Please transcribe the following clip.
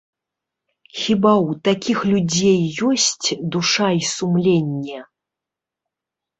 Хіба ў такіх людзей ёсць душа і сумленне?